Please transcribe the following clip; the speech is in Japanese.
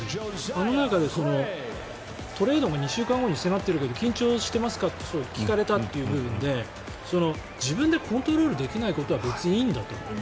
あの中でトレードが２週間後に迫っているけど緊張してますか？って聞かれたという部分で自分でコントロールできないことは別にいいんだと。